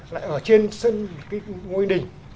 lại ở trên sân ngôi đình